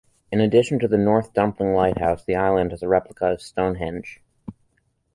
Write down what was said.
In addition to North Dumpling Lighthouse, the island has a replica of Stonehenge.